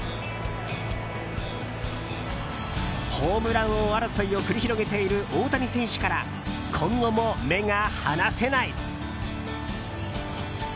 ホームラン王争いを繰り広げている大谷選手から今後も目が離せない！